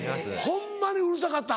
ホンマにうるさかった！